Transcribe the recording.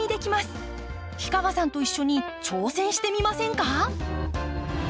氷川さんと一緒に挑戦してみませんか？